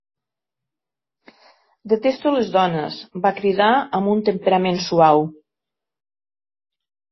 "Detesto les dones", va cridar amb un temperament suau.